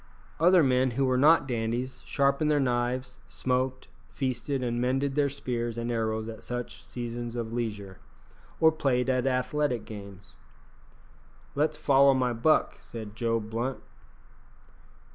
Other men who were not dandies sharpened their knives, smoked, feasted, and mended their spears and arrows at such seasons of leisure, or played at athletic games. "Let's follow my buck," said Joe Blunt.